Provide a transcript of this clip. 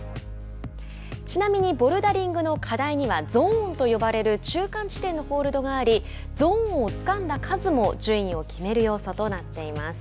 ちなみにボルダリングの課題にはゾーンと呼ばれる中間地点のホールドがありゾーンをつかんだ数も順位を決める要素となっています。